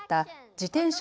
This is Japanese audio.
自転車